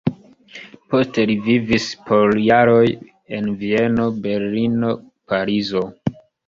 Poste li vivis por jaroj en Vieno, Berlino, Parizo.